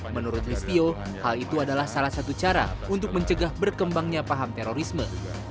menurut listio hal itu adalah salah satu cara untuk mencegah berkembangnya paham terorisme